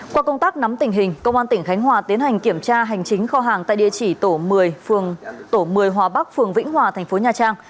qua công tác nắm tình hình công an tỉnh khánh hòa tiến hành kiểm tra hành chính kho hàng tại địa chỉ tổ một mươi hòa bắc phường vĩnh hòa thành phố nhà trang